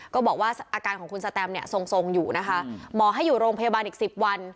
ก็บอกว่าอาการของคุณสแตมเนี่ยทรงอยู่นะคะหมอให้อยู่โรงพยาบาลอีก๑๐วัน